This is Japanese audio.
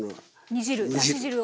煮汁だし汁を。